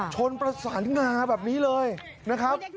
ชนประสานงาแบบนี้เลยนะครับ